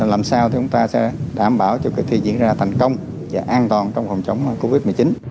làm sao chúng ta sẽ đảm bảo cho kỳ thi diễn ra thành công và an toàn trong phòng chống covid một mươi chín